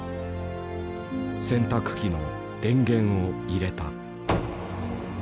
洗濯機の電源を入れた。